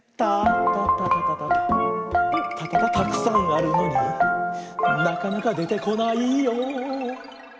たたたたたたたたたくさんあるのになかなかでてこないよ。